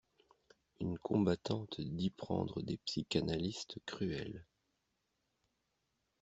Une combattante dit prendre des psychanalistes cruels.